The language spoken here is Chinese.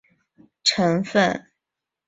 铅是排气中的有害成分。